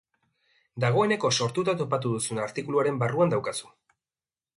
Dagoeneko sortuta topatu duzun artikuluaren barruan daukazu.